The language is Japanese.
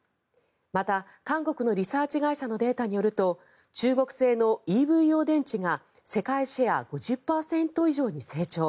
また、韓国のリサーチ会社のデータによると中国製のＥＶ用電池が世界シェア５０％以上に成長